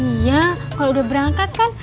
iya kalau udah berangkat kan